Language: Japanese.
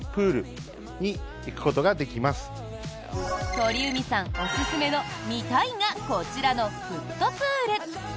鳥海さんおすすめの「見たい」がこちらのフットプール。